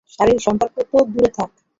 শারীরিক সম্পর্ক তো দূরে থাক।